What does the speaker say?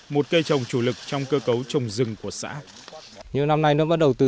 một cây trồng chủ lực trong cơ cấu